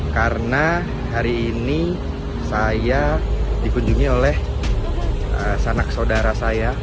karena hari ini saya dikunjungi oleh sanak saudara saya